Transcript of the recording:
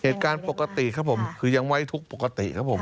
เหตุการณ์ปกติครับผมคือยังไว้ทุกข์ปกติครับผม